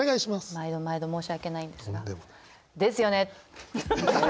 毎度毎度申し訳ないんですが「ですよね！」。